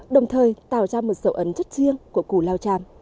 đồng thời tạo ra một sầu ẩn chất riêng của cù lao chàm